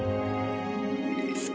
好き。